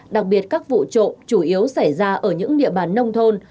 đặc biệt các vụ trộm chủ yếu xảy ra ở những địa bàn nông thôn